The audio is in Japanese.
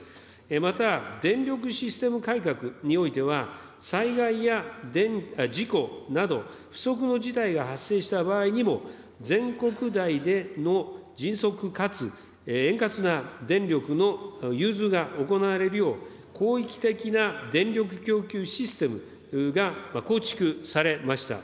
また電力システム改革においては、災害や事故など、不測の事態が発生した場合にも、全国での迅速かつ円滑な電力の融通が行われるよう、広域的な電力供給システムが構築されました。